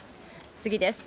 次です。